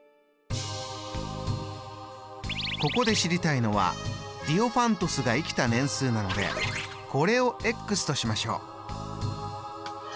ここで知りたいのはディオファントスが生きた年数なのでこれをとしましょう。